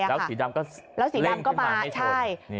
แล้วสีดำก็เล่นขึ้นมาให้ชน